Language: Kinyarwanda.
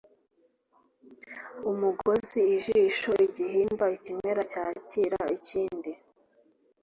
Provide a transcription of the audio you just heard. umugozi ijisho igihimba ikimera cyakira ikindi